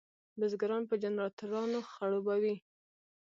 بزګران په جنراټورانو خړوبوي.